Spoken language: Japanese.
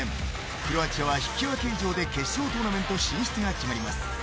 クロアチアは引き分け以上で決勝トーナメント進出が決まります。